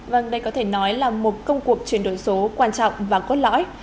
vâng đây có thể nói là một công cuộc chuyển đổi số quan trọng và cốt lõi